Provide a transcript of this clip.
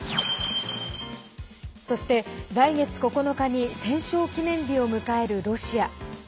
そして、来月９日に戦勝記念日を迎えるロシア。